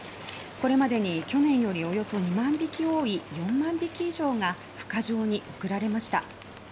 これまでに去年よりおよそ２万匹多い４万匹以上がふ化場に送られました。